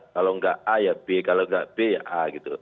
kalau enggak a ya b kalau enggak b ya a